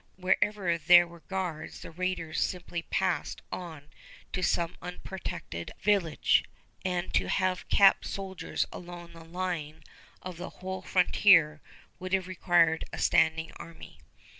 Wherever there were guards the raiders simply passed on to some unprotected village, and to have kept soldiers along the line of the whole frontier would have required a standing army.